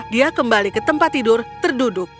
dia kembali ke tempat tidur terduduk